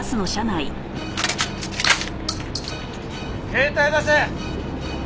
携帯出せ。